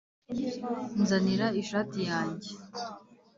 nzanira ishati yanjye.